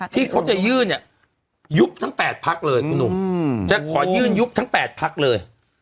ที่เขาจะยื่นเนี่ยยุบทั้ง๘พักเลยคุณหนุ่มจะขอยื่นยุบทั้ง๘พักเลย